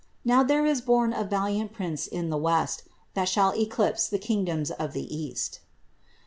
* Now there is born a valiant prince i' the west, That shall eclipse the kingiloms of the east.'"